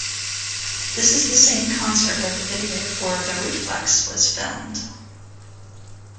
This is the same concert where the video for "The Reflex" was filmed.